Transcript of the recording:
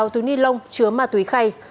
hai mươi sáu túi ni lông chứa ma túy khay